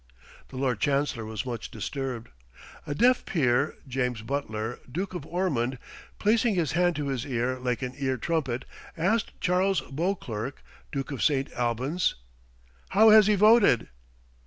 The Lord Chancellor was much disturbed. A deaf peer, James Butler, Duke of Ormond, placing his hand to his ear like an ear trumpet, asked Charles Beauclerk, Duke of St. Albans, "How has he voted?"